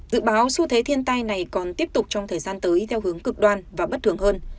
dự báo xu thế thiên tai này còn tiếp tục trong thời gian tới theo hướng cực đoan và bất thường hơn